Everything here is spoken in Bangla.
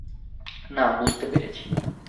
না, বুঝতে পেরেছি।